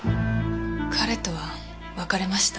彼とは別れました。